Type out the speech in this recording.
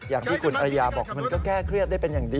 อย่างที่คุณอริยาบอกมันก็แก้เครียดได้เป็นอย่างดี